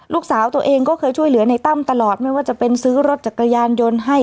ลูกสาวตัวเองก็เคยช่วยเหลือในตั้มตลอดไม่ว่าจะเป็นซื้อรถจักรยานยนต์ให้